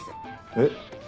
えっ？